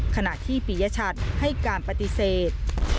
ขณะที่ปิยชัตริย์ให้การปฏิเสธ